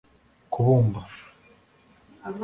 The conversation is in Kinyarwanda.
kubumba